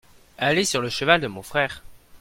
aller sur le cheval de mon frère.